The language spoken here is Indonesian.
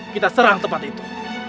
kita serang tempat itu